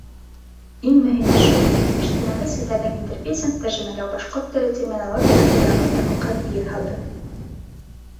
Иң мөһиме шул: ижтимағи селтәрҙең интерфейсын тәржемәләү башҡорт теле терминологияһында яңы тармаҡҡа нигеҙ һалды.